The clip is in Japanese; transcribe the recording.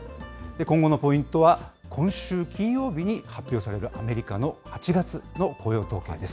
今後のポイントは、今週金曜日に発表されるアメリカの８月の雇用統計です。